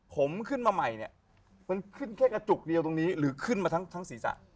ผมขึ้นมาใหม่เนี่ยมันขึ้นแค่กระจุกเดียวตรงนี้หรือขึ้นมาทั้งศีรษะ